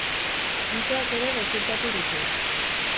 Mitoak ere gezurtatu ditu.